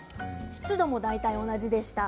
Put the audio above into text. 湿度も大体、同じでした。